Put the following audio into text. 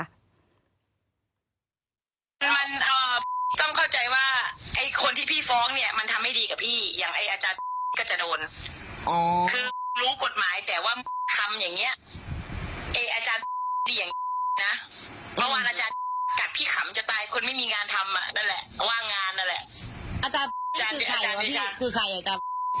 อะไอ้แหนากาตุซักอีกไอ้น้อยกาตุซักอีกอ่ะ